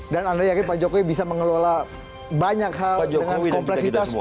dan anda yakin pak jokowi bisa mengelola banyak hal dengan kompleksitas